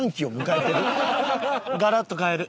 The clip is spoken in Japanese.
ガラッと変える。